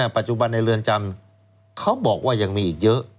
ปัจจุบันในเรือนจำเขาบอกว่ายังมีอีกเยอะ